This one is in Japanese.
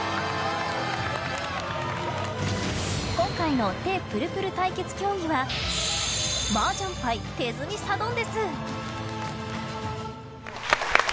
今回の手プルプル対決競技はマージャン牌手積みサドンデス！